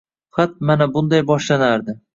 Xat mana bunday boshlanardi